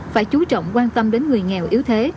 phải chú trọng quan tâm đến người nghèo yếu thế